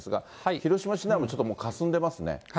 広島市内もちょっともうかすんでますが。